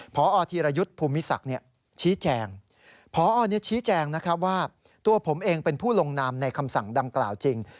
พอธิรยุทธ์ภูมิศักดิ์ชี้แจงว่าตัวผมเองเป็นผู้ลงนามในคำสั่งดำกล่าวจริง